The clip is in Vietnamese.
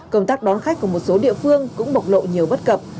công tác đón khách của một số địa phương cũng bộc lộ nhiều bất cập